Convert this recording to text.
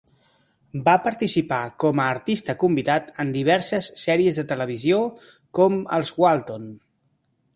Va participar con a artista convidat en diverses sèries de televisió, com "Els Walton".